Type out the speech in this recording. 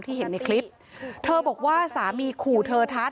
แต่เธอก็ไม่ละความพยายาม